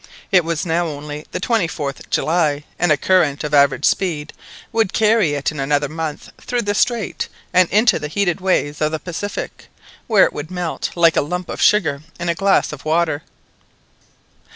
It was now only the 24th July, and a current of average speed would carry it in another month through the strait and into the heated waves of the Pacific, where it would melt "like a lump of sugar in a glass of water."